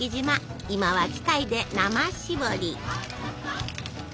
今は機械で生しぼり！